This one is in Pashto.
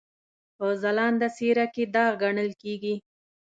په ځلانده څېره کې داغ ګڼل کېږي.